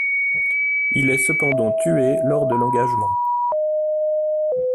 Il est cependant tué lors de l'engagement.